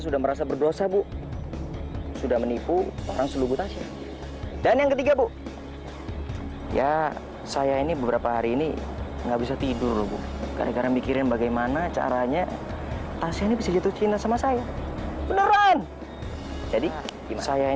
dan arahnya tasya ini bisa ditucinkan sama saya